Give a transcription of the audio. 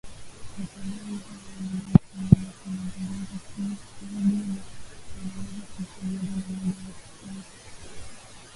Wataalamu hawa wanadai kwamba watu wanaozungumza Kipijini wanaweza kuishi pamoja kwa muda wa karne